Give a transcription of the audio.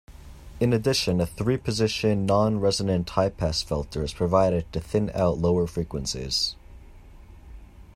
In addition, a three-position non-resonant highpass filter is provided to thin out lower frequencies.